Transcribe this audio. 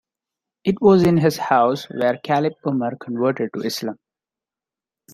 It was in his house where Caliph Umar converted to Islam.